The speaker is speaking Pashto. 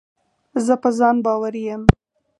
زه په ځان باوري یم.